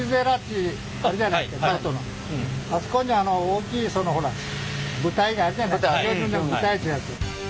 あそこにあの大きいほら舞台があるじゃないですか。